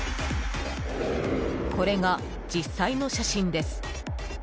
これが実際の写真です。